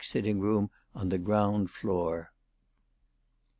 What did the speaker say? sitting room on the ground floor.